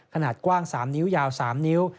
ขนาดกว้าง๓นิ้วยาว๓นิ้ว